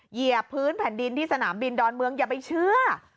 เหยียบพื้นแผ่นดินที่สนามบินดอนเมืองอย่าไปเชื่อ